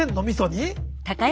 みそに？